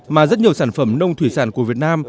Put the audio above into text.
mà rất nhiều sản phẩm nông thủy sản của việt nam